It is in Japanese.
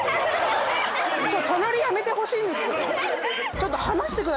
隣やめてほしいんですけど。